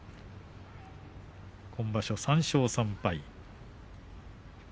今場所３勝３敗。